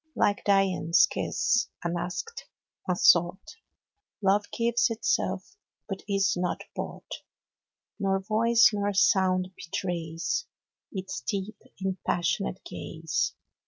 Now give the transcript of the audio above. Like Dian's kiss, unasked, unsought, Love gives itself, but is not bought ; 15 Nor voice, nor sound betrays Its deep, impassioned ga/e.